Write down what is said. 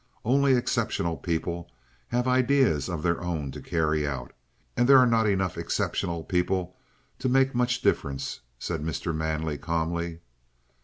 Only exceptional people have ideas of their own to carry out; and there are not enough exceptional people to make much difference," said Mr. Manley calmly.